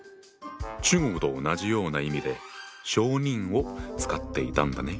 中国と同じような意味で小人を使っていたんだね。